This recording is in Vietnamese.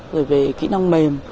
rồi về kỹ năng mềm